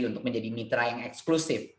untuk menjadi mitra yang eksklusif